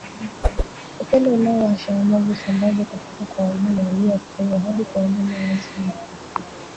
upele unaowasha unavyosambazwa kutoka kwa wanyama walioathiriwa hadi kwa wanyama wazima